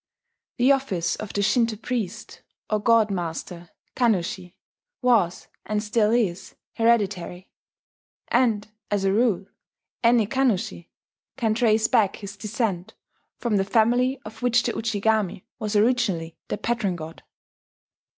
The office of the Shinto priest, or "god master" (kannushi) was, and still is, hereditary; and, as a rule, any kannushi can trace back his descent from the family of which the Ujigami was originally the patron god.